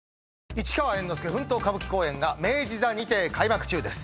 『市川猿之助奮闘歌舞伎公演』が明治座にて開幕中です。